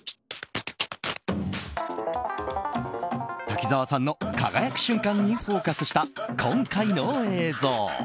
滝沢さんの輝く瞬間にフォーカスした今回の映像。